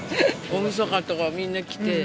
大みそかとか、みんな来て。